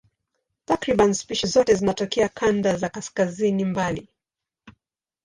Takriban spishi zote zinatokea kanda za kaskazini mbali.